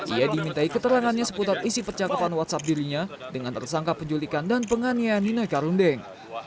ia dimintai keterangannya seputar isi percakapan whatsapp dirinya dengan tersangka penculikan dan penganiayaan nino karundeng